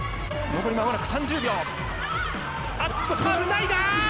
残りまもなく３０秒。